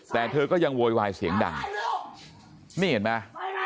แต่เธอก็ยังโวยวายเสียงดังนี่เห็นไหม